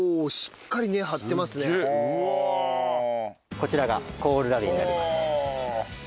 こちらがコールラビになります。